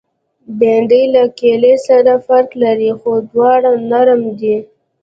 بېنډۍ له کیلې سره فرق لري، خو دواړه نرم دي